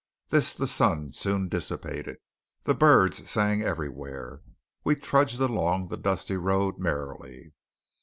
This the sun soon dissipated. The birds sang everywhere. We trudged along the dusty road merrily.